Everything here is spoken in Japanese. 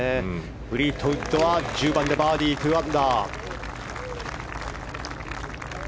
フリートウッドは１０番でバーディー２アンダー。